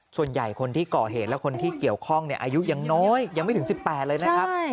ส่วนใหญ่คนที่ก่อเหตุและคนที่เกี่ยวข้องอายุยังน้อยยังไม่ถึง๑๘เลยนะครับ